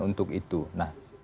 untuk itu nah